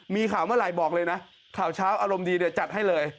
มีข่าวเมื่อไหร่บอกเลยนะข่าวเช้าอารมณ์ดีเดี๋ยวจัดให้เลย